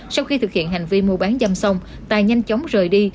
sau khi thực hiện hành vi mua bán dâm xong tài nhanh chóng rời đi